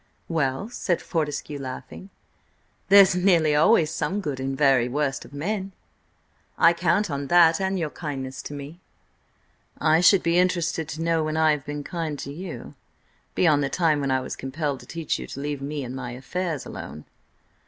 "Well," said Fortescue laughing, "there's nearly always some good in the very worst of men. I count on that–and your kindness to me." "I should be interested to know when I have been kind to you–beyond the time when I was compelled to teach you to leave me and my affairs alone."